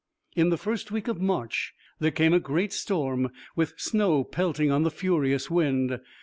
In the first week of March there came a great storm, with snow pelting on the furious wind.